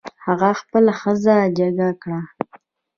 هغه خپله ښځه جګه کړه.